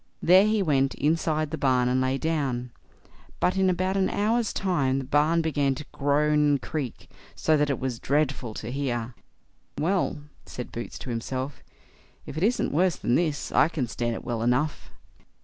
There he went inside the barn and lay down; but in about an hour's time the barn began to groan and creak, so that it was dreadful to hear. "Well", said Boots to himself, "if it isn't worse than this, I can stand it well enough."